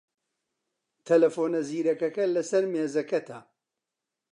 تەلەفۆنە زیرەکەکە لەسەر مێزەکەتە.